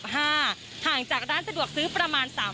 ห่างจากร้านสะดวกซื้อประมาณ